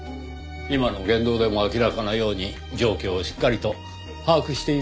今の言動でも明らかなように状況をしっかりと把握しているようですからね。